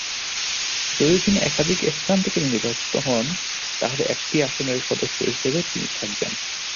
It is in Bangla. যদি তিনি একাধিক স্থান থেকে নির্বাচিত হন, তাহলে একটি আসনের সদস্য হিসেবে তিনি থাকবেন।